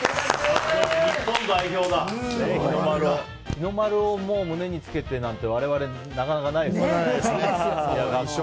日の丸を胸につけてなんて我々、なかなかないですからね。